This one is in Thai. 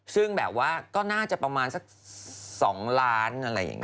ซึ่งแบบว่าก็น่าจะประมาณสัก๒ล้านอะไรอย่างนี้